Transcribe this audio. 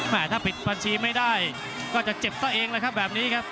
ถ้าปิดบัญชีไม่ได้ก็จะเจ็บซะเองเลยครับแบบนี้ครับ